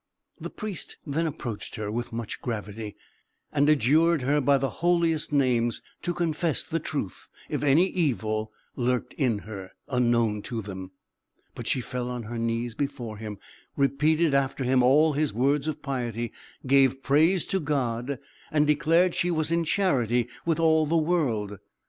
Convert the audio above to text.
The Priest then approached her with much gravity, and adjured her by the holiest names to confess the truth, if any evil lurked in her, unknown to them. But she fell on her knees before him, repeated after him all his words of piety, gave praise to God, and declared she was in charity with all the world.